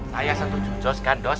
saya satu jujur kan dos